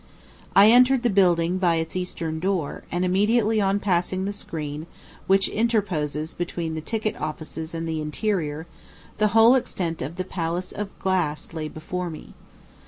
I entered the building by its eastern door, and, immediately on passing the screen which interposes between the ticket offices and the interior, the whole extent of the palace of glass lay before me.